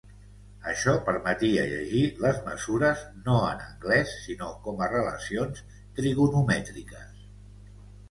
Això permetia llegir les mesures no en angles sinó com a relacions trigonomètriques.